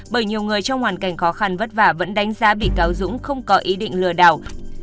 bởi nhiều người trong hoàn cảnh khó khăn vất vả vẫn đánh giá bị cáo dũng không có ý định lừa đảo